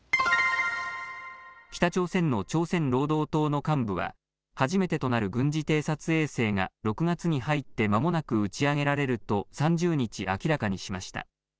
北朝鮮の朝鮮労働党の幹部は初めてとなる軍事偵察衛星が６月に入ってまもなく打ち上げられると３０日、明らかにしました。